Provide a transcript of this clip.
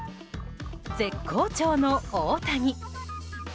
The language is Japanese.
絶好調の大谷。